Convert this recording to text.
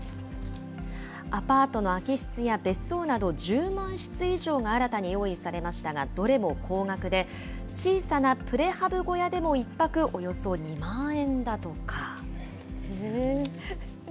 アパートの空き室や別荘など、１０万室以上が新たに用意されましたが、どれも高額で、小さなプレハブ小屋でも１泊およそ２万円だとか。